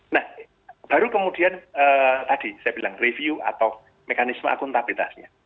nah baru kemudian tadi saya bilang review atau mekanisme akuntabilitasnya